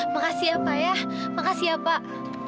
makasih ya pak ya makasih ya pak